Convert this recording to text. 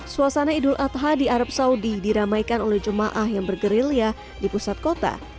suasana idul adha di arab saudi diramaikan oleh jemaah yang bergerilya di pusat kota